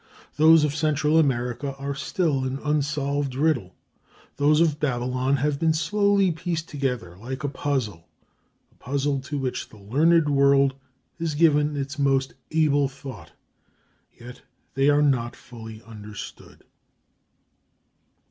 Those of Central America are still an unsolved riddle. Those of Babylon have been slowly pieced together like a puzzle, a puzzle to which the learned world has given its most able thought. Yet they are not fully understood.